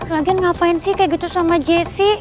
lagian ngapain sih kayak gitu sama jesse